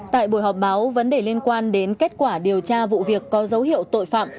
tại buổi họp báo vấn đề liên quan đến kết quả điều tra vụ việc có dấu hiệu tội phạm